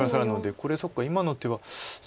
これそっか今の手は少し。